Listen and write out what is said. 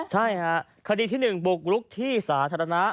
ใช่ค่ะคดีที่๑บุกรุกที่สาธารณะ